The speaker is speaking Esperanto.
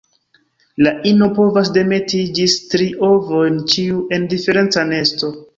La ino povas demeti ĝis tri ovojn, ĉiu en diferenca nesto.